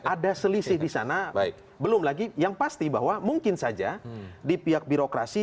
ada selisih di sana belum lagi yang pasti bahwa mungkin saja di pihak birokrasi